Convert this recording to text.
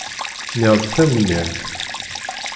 Nniɣ-d tanemmirt.